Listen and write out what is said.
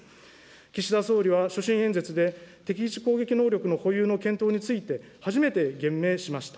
岸田総理は所信演説で、敵基地攻撃能力の保有の検討について、初めて言明しました。